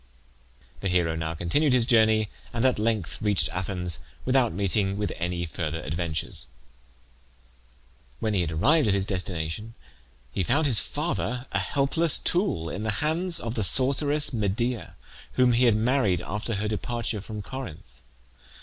The hero now continued his journey, and at length reached Athens without meeting with any further adventures. When he arrived at his destination he found his father a helpless tool in the hands of the sorceress Medea, whom he had married after her departure from Corinth.